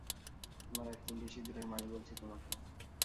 তোমার এক চিমটি সিদুরের মানি বলছি তোমাকে।